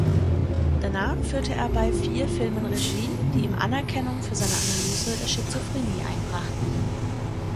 Danach führte er bei vier Filmen Regie, die ihm Anerkennung für seine Analyse der Schizophrenie einbrachten.